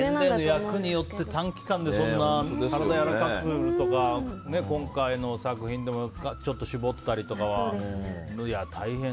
役によって、短期間で体やわらかくとか今回の作品でもちょっと絞ったりとかで大変。